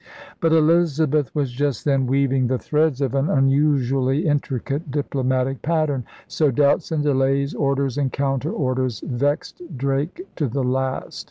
But Elizabeth was just then weaving the threads DRAKE CLIPS THE WINGS OF SPAIN 155 of an unusually intricate diplomatic pattern; so doubts and delays, orders and counter orders vexed Drake to the last.